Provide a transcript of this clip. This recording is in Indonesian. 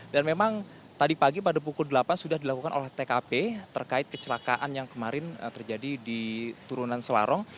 dan memang tadi pagi pada pukul delapan sudah dilakukan oleh tkp terkait kecelakaan yang kemarin terjadi di turunan selarong